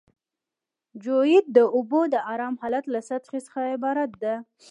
جیوئید د اوبو د ارام حالت له سطحې څخه عبارت ده